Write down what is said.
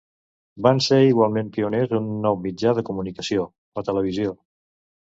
Van ser igualment pioners en un nou mitjà de comunicació: la televisió.